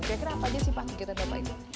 kira kira apa aja sih pak kegiatan bapak ini